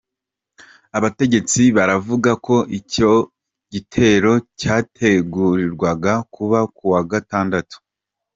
Abategetsi baravuga ko icyo gitero cyategurwaga kuba ku wa gatandatu.